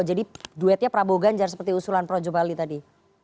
jadi duetnya prabowo ganjar seperti usulan projo bali tadi